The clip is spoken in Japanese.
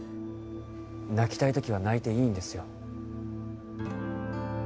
泣きたい時は泣いていいんですよ